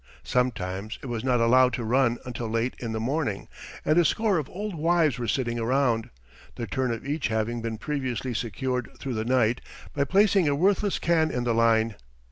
Sometimes it was not allowed to run until late in the morning and a score of old wives were sitting around, the turn of each having been previously secured through the night by placing a worthless can in the line.